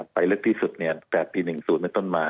ไปเล็กที่สุด๘ปี๑ศูนย์มันต้นมา